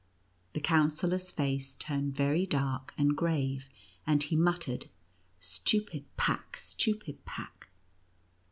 The Counsellor's face turned very dark and grave, and he muttered :" Stupid pack — stupid pack